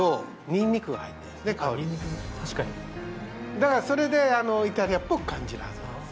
だからそれでイタリアっぽく感じるはずなんです。